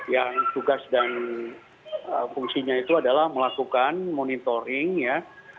yang tugas dan fungsinya itu adalah melakukan monitoring ya